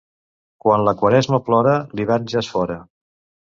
Quan la Quaresma plora, l'hivern ja és fora.